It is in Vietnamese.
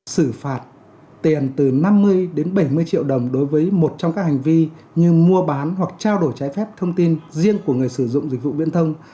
xử phạt tiền từ năm mươi đến bảy mươi triệu đồng đối với một trong các hành vi như mua bán hoặc trao đổi trái phép thông tin riêng của người sử dụng dịch vụ viễn thông